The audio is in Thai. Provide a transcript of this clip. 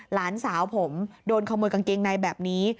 หลานสาวผมโดนขโมยกางเกงในแบบนี้